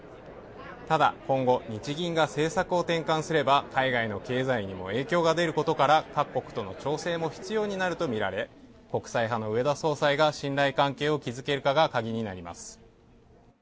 ただ、今後、日銀が政策を転換すれば、海外の経済にも影響が出ることから、各国との調整も必要になるとみられ、国際派の植田総裁が信頼関係を築けるかが鍵になります。